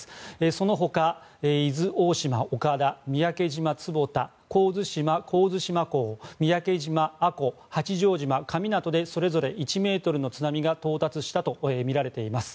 その他、伊豆大島岡田三宅島坪田神津島神津島港三宅島阿古、八丈島神湊でそれぞれ１ｍの津波が到達したとみられています。